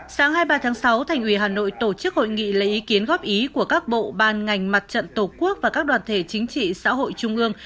sáng hai mươi ba tháng sáu thành ủy hà nội tổ chức hội nghị lấy ý kiến góp ý của các bộ ban ngành mặt trận tổ quốc và các đoàn thể chính trị xã hội trung ương